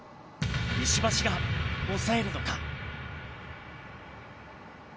石橋が抑えるのか？